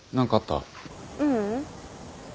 ううん。